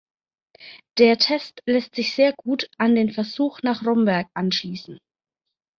Der Test lässt sich sehr gut an den Versuch nach Romberg anschließen.